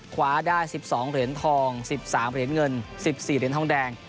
คว้าได้๑๒เหรียญทอง๑๓เหรียญเงิน๑๔เหรียญทองแดง